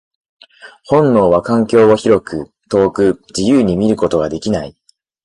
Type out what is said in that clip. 本能は環境を広く、遠く、自由に見ることができない。